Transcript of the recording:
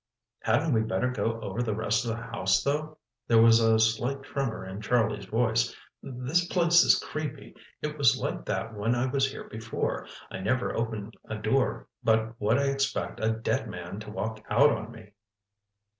"Hadn't we better go over the rest of the house, though?" There was a slight tremor in Charlie's voice. "This place is creepy. It was like that when I was here before. I never open a door but what I expect a dead man to walk out on me."